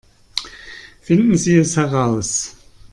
Finden Sie es heraus!